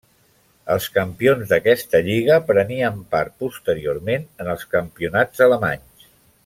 Els campions d'aquesta lliga prenien part posteriorment en els campionats alemanys.